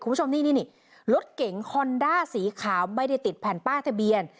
คุณผู้ชมนี่นี่รถเก๋งฮอนด้าสีขาวไม่ได้ติดแผ่นป้ายทะเบียน